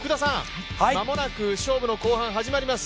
間もなく勝負の後半始まります。